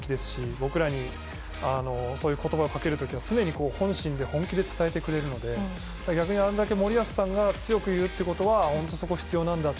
僕らにそういう言葉をかける時は常に本心で本気で伝えてくれるので逆に、あれだけ森保さんが強く言うってことはそこが必要なんだって